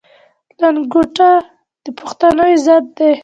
لنګوټه د پښتانه عزت دی.